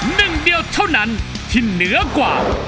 หนึ่งเดียวเท่านั้นที่เหนือกว่า